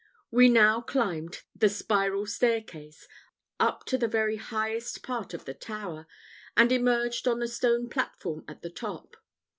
We now climbed the spiral staircase, up to the very highest part of the tower, and emerged on the stone platform at the top.